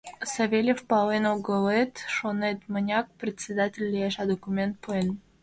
Савельев пален огылет... шонет: мыняк председатель лиет... и документ пуэт.